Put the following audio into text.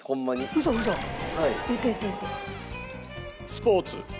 スポーツ？